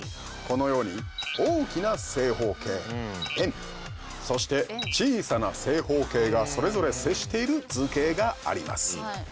このように大きな正方形円そして小さな正方形がそれぞれ接している図形があります。